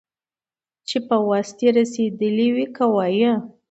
چي په وس دي رسېدلي وي كوه يې